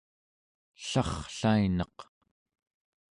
ellarrlainaq